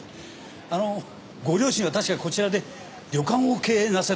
あのご両親は確かこちらで旅館を経営なさってたそうですね？